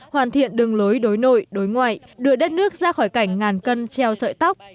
hoàn thiện đường lối đối nội đối ngoại đưa đất nước ra khỏi cảnh ngàn cân treo sợi tóc